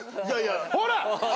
ほら！